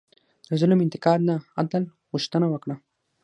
د ظلم انتقام نه، عدل غوښتنه وکړه.